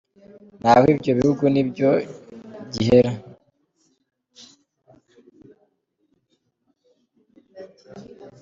Naho ibyo bihugu ni iyo gihera